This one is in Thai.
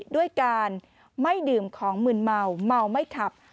ด้วยการไม่ดื่มของมืนเมาเมาไม่ขับ